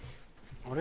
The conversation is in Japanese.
あれ？